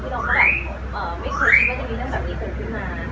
เราก็แอบไม่เคยคิดว่าจะมีเรื่องแบบนี้เกิดขึ้นมา